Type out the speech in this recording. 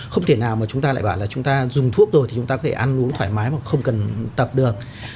không thể nào mà chúng ta lại bảo là chúng ta dùng thuốc rồi thì chúng ta có thể ăn uống thoải mái mà không cần tập được